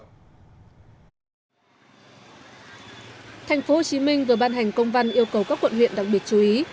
thành phố hồ chí minh vừa ban hành công văn yêu cầu các quận huyện đặc biệt chú ý